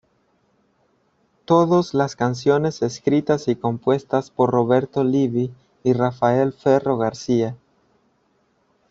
Todos las canciones escritas y compuestas por Roberto Livi y Rafael Ferro García.